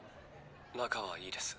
仲は良いです。